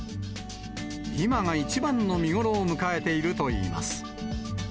今が一番の見頃を迎えているといいます。